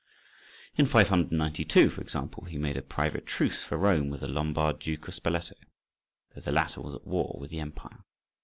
In 592, for example, he made a private truce for Rome with the Lombard Duke of Spoleto, though the latter was at war with the empire.